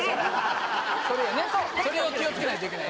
これ、気をつけないといけない。